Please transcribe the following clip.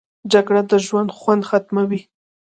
جګړه د ژوند خوند ختموي